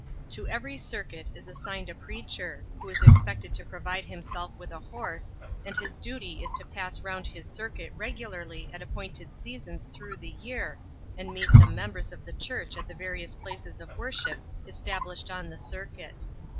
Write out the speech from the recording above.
To every circuit is assigned a preacher, who is expected to provide himself with a horse, and his duty is to pass round his circuit regularly at appointed seasons through the year, and meet the members of the church at the various places of worship established on the circuit.